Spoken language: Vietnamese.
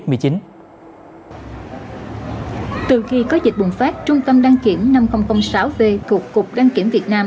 từ khi có dịch bùng phát trung tâm đăng kiểm năm nghìn sáu v thuộc cục đăng kiểm việt nam